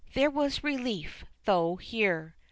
There was relief, though, here.